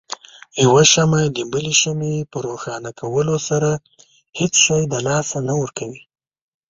يوه شمعه دبلې شمعې په روښانه کولو سره هيڅ شی د لاسه نه ورکوي.